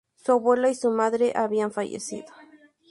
Su abuela y su madre ya habían fallecido.